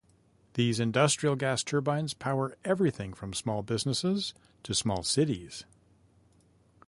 These industrial gas turbines power everything from small businesses to small cities.